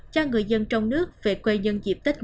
cho người dân trong nước về quê nhân